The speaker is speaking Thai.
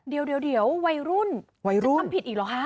เดี๋ยววัยรุ่นจะทำผิดอีกเหรอฮะ